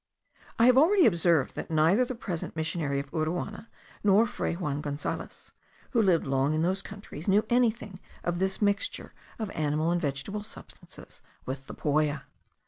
I have already observed that neither the present missionary of Uruana, nor Fray Juan Gonzales, who lived long in those countries, knew anything of this mixture of animal and vegetable substances with the poya.